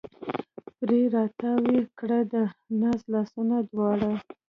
پرې را تاو یې کړه د ناز لاسونه دواړه